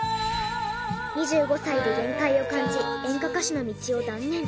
２５歳で限界を感じ演歌歌手の道を断念。